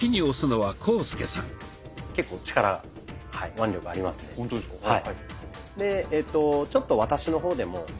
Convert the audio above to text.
はい。